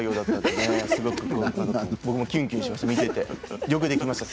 すごくね、僕もキュンキュンしました。